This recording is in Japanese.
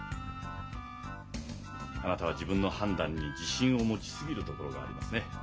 あなたは自分の判断に自信を持ち過ぎるところがありますね。